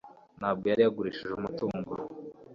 ntabwo yari yagurishije umutungo